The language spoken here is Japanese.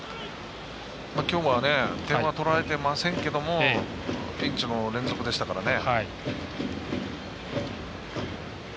きょうは点は取られてませんけどピンチの連続でしたからね。